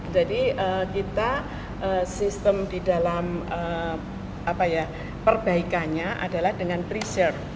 jadi kita sistem di dalam perbaikannya adalah dengan preserve